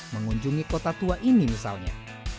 mengunjungi kota tua ini misalnya